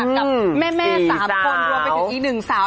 กับแม่๓คนรวมไปถึงอีกหนึ่งสาว